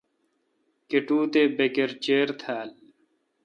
کٹو تے بکر چیر تھال ۔